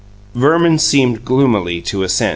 Verman seemed gloomily to assent.